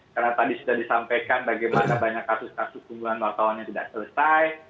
karena tadi sudah disampaikan bagaimana banyak kasus kasus pembunuhan wartawan yang tidak selesai